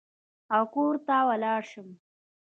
او کور ته ولاړ شم.